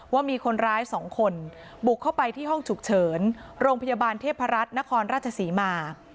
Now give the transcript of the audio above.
ว่ามีคนร้าย๒คนบุกเข้าไปที่ห้องฉุกเฉินโรงพยาบาลเทพรัฐนครราชศรีมา